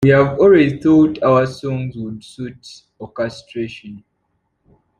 We've always thought our songs would suit orchestration.